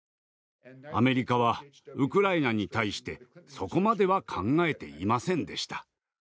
アメリカはウクライナに対してそこまでは考えていませんでした。